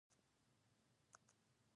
فریدګل د کوچ لور ته لاړ او په ادب کېناست